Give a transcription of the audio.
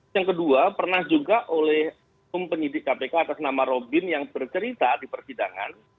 ya pernah juga oleh umum penyidik kpk atas nama robin yang bercerita di persidangan